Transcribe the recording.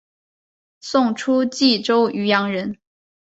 宋初蓟州渔阳人。